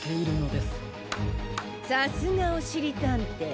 さすがおしりたんてい。